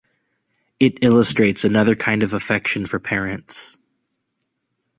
It illustrates another kind of affection for parents.